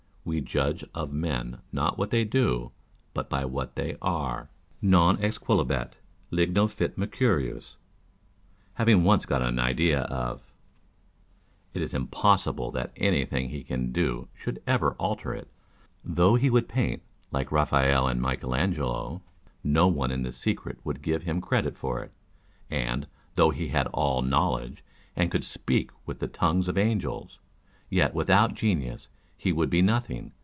We judge of men not by what they do, but by what they are. Non ex Jit Met it is impossible that anything he can do should ever alter it â€" though he were to paint like Eaphael and Michael Angelo, no one in the secret would give him credit for it, and " though he had all knowledge, and could speak with the tongues of angels," yet without genius he would be nothing.